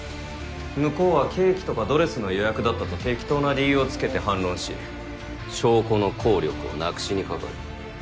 向こうはケーキとかドレスの予約だったと適当な理由をつけて反論し証拠の効力を無くしにかかる。